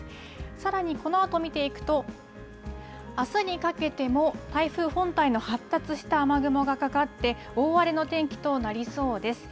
さらにこのあと見ていくと、あすにかけても台風本体の発達した雨雲がかかって、大荒れの天気となりそうです。